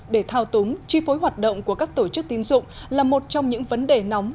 để thao túng chi phối hoạt động của các tổ chức tín dụng là một trong những vấn đề nóng